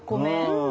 うん。